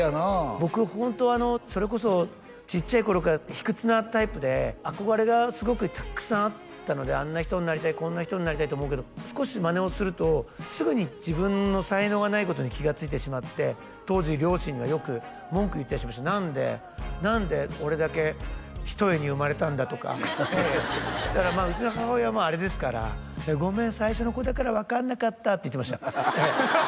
僕ホントはそれこそちっちゃい頃から卑屈なタイプで憧れがすごくたくさんあったのであんな人になりたいこんな人になりたいと思うけど少しマネをするとすぐに自分の才能がないことに気がついてしまって当時両親にはよく文句言ったりしました「何で何で俺だけ一重に生まれたんだ」とかそしたらうちの母親もあれですから「ごめん最初の子だから分かんなかった」って言ってましたハハハハッ！